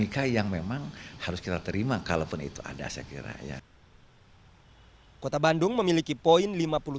kota bandung memiliki poin lima puluh tujuh sembilan